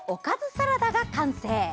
サラダが完成。